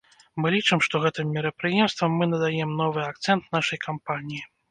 Мы лічым, што гэтым мерапрыемствам мы надаем новы акцэнт нашай кампаніі.